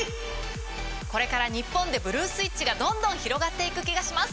これから日本でブルー・スイッチがどんどん広がっていく気がします